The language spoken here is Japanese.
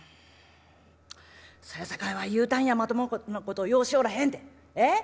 そやさかいわい言うたんやまともなことようしよらへんてええ？